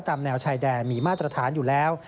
แนวชายแดนมีมาตรฐานอยู่แล้ว